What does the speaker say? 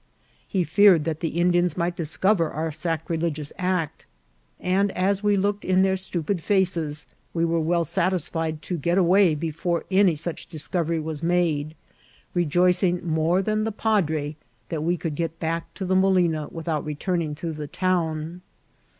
He feared that the Indians might discover our sacrilegious act ; and as we looked in their stupid faces, we were well satisfied to get away before any such discovery was made, rejoicing more than the padre that we could get back to the mo lina without returning through the town.